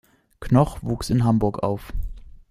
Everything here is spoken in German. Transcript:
Knoch wuchs in Hamburg auf.